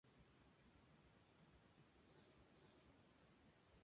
Está ambientada en el contexto de la guerra de Vietnam.